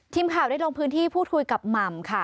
ทีมข่าวได้ลงพื้นที่พูดคุยกับหม่ำค่ะ